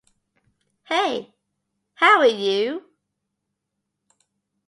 Hey how are you?